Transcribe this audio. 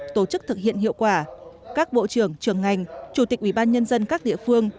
tổ chức thực hiện hiệu quả các bộ trưởng trường ngành chủ tịch ủy ban nhân dân các địa phương